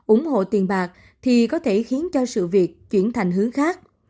ủng hộ tiền bạc thì có thể khiến cho sự việc chuyển thành hướng khác